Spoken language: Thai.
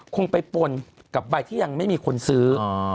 คงไปปนกับใบที่ยังไม่มีคนซื้อ